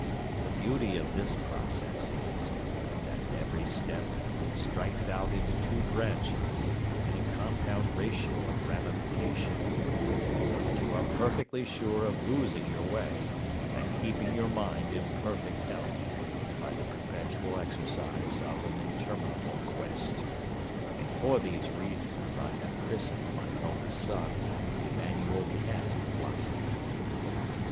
The beauty of this process is, that at every step it strikes out into two branches, in a compound ratio of ramification; so that you are perfectly sure of losing your way, and keeping your mind in perfect health, by the perpetual exercise of an interminable quest; and for these reasons I have christened my eldest son Emanuel Kant Flosky.